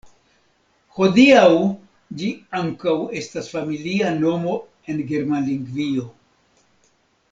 Hodiaŭ ĝi ankaŭ estas familia nomo en Germanlingvio.